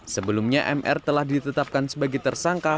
sebelumnya mr telah ditetapkan sebagai tersangka